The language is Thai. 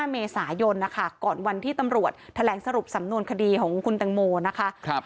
เมษายนนะคะก่อนวันที่ตำรวจแถลงสรุปสำนวนคดีของคุณตังโมนะคะ